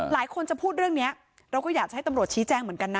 หลายคนจะพูดเรื่องนี้เราก็อยากจะให้ตำรวจชี้แจงเหมือนกันนะ